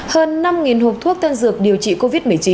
hơn năm hộp thuốc tân dược điều trị covid một mươi chín